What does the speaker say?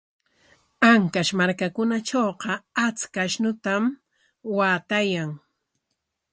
Ancash markakunatrawqa achka akshutam muruyan.